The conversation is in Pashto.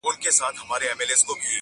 ستا د غېږي تر ساحله نه رسېږم ښه پوهېږم,